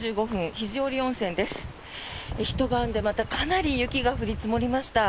ひと晩で、またかなり雪が降り積もりました。